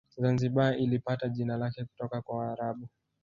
Zanzibar ilipata jina lake kutoka kwa waarabu